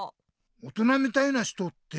大人みたいな人って？